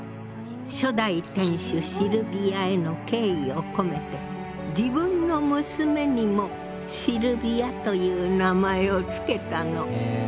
初代店主シルヴィアへの敬意を込めて自分の娘にもシルヴィアという名前を付けたの。